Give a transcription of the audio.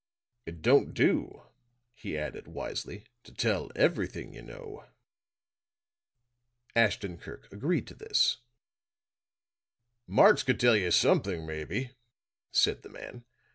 "It don't do," he added wisely, "to tell everything you know." Ashton Kirk agreed to this. "Marx could tell you something, maybe," said the man.